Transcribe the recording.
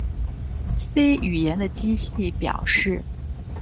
C 语言的机器表示